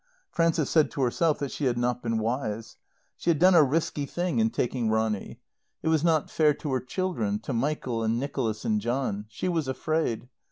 Frances said to herselv that she had not been wise. She had done a risky thing in taking Ronny. It was not fair to her children, to Michael and Nicholas and John. She was afraid.